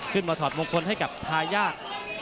ขึ้นมาถอดมงคลให้กับทายาก